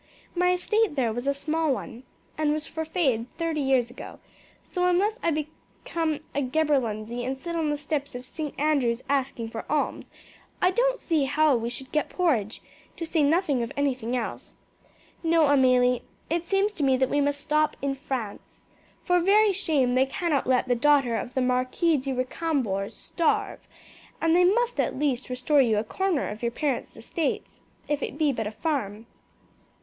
My estate there was but a small one, and was forfeited thirty years ago; so unless I become a gaberlunzie and sit on the steps of St. Andrews asking for alms, I don't see how we should get porridge, to say nothing of anything else. No, Amelie, it seems to me that we must stop in France. For very shame they cannot let the daughter of the Marquis de Recambours starve, and they must at least restore you a corner of your parents estates, if it be but a farm.